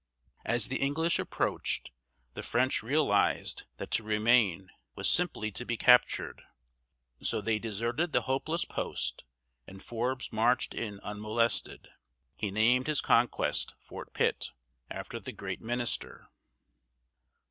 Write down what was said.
As the English approached, the French realized that to remain was simply to be captured, so they deserted the hopeless post, and Forbes marched in unmolested. He named his conquest Fort Pitt, after the great minister.